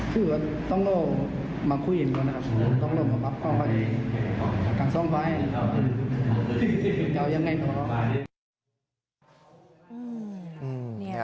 คือต้องโล่มาคุยกันก่อนนะครับต้องโล่มาปรับก่อนกันซ่อมไปจะเอายังไงก็ร้อง